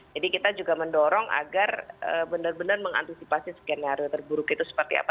jadi kita juga mendorong agar benar benar mengantisipasi skenario terburuk itu seperti apa